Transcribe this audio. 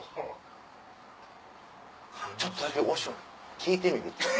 ちょっとだけ和尚に聞いてみて。